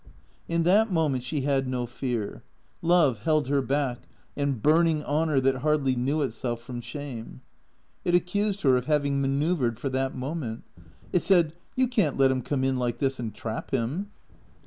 In that moment she had no fear. Love held her back and burning honour that hardly knew itself from shame. It accused her of having manoeuvred for that moment. It said, " You can't let him come in like this and trap him."